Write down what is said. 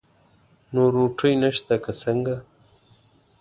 نو روټۍ نشته که څنګه؟